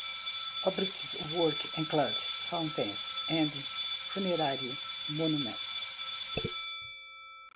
Obrist's works included fountains and funerary monuments.